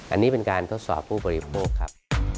อันนี้เป็นการทดสอบผู้บริโภคครับ